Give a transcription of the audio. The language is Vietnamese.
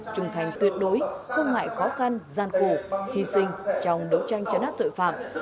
trung thành tuyệt đối không ngại khó khăn gian khổ hy sinh trong đấu tranh chấn áp tội phạm